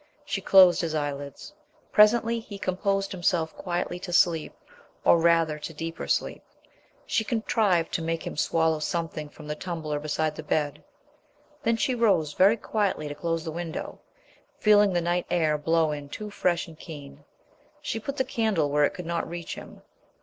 She closed his eyelids. Presently he composed himself quietly to sleep, or rather to deeper sleep. She contrived to make him swallow something from the tumbler beside the bed. Then she rose very quietly to close the window, feeling the night air blow in too fresh and keen. She put the candle where it could not reach him.